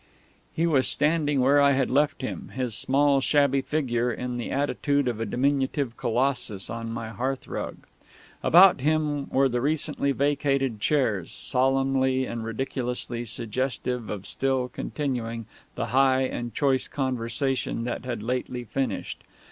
"_ He was standing where I had left him, his small shabby figure in the attitude of a diminutive colossus on my hearthrug. About him were the recently vacated chairs, solemnly and ridiculously suggestive of still continuing the high and choice conversation that had lately finished.